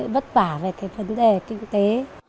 bất bả về cái vấn đề kinh tế